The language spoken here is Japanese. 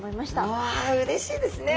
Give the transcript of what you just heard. うわうれしいですね。